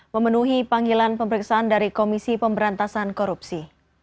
memenuhi panggilan pemeriksaan dari komisi pemberantasan korupsi